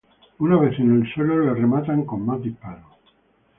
Una vez en el suelo, le rematan con más disparos.